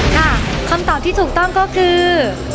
ค่ะคำตอบที่ถูกต้องก็คือ